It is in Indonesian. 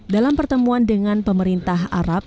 dalam pertemuan dengan pemerintah arab